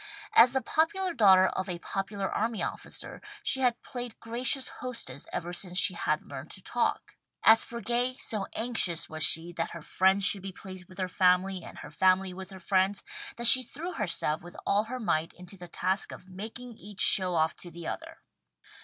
As the popular daughter of a popular army officer, she had played gracious hostess ever since she had learned to talk. As for Gay, so anxious was she that her friends should be pleased with her family and her family with her friends, that she threw herself with all her might into the task of making each show off to the other.